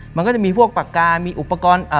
มันก็จะมีพวกปากกามีอุปกรณ์